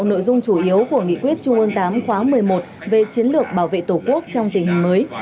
nội dung chủ yếu của nghị quyết trung ương tám khóa một mươi một về chiến lược bảo vệ tổ quốc trong tình hình mới